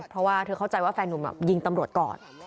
เพราะว่าเธอเข้าใจว่าแฟนนุ่มยิงตำรวจก่อน